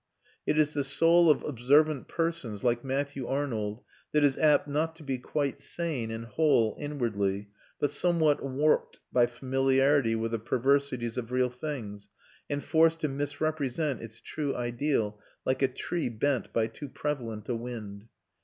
It is the soul of observant persons, like Matthew Arnold, that is apt not to be quite sane and whole inwardly, but somewhat warped by familiarity with the perversities of real things, and forced to misrepresent its true ideal, like a tree bent by too prevalent a wind.